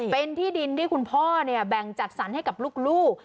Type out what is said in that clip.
เป็นที่ดินที่คุณพ่อแบ่งจัดสรรให้กับลูก